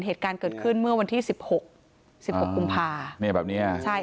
เหตุการณ์เกิดขึ้นเมื่อวันที่สิบหกสิบหกกุมภาเนี่ยแบบเนี้ยใช่